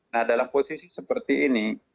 nah dalam posisi seperti ini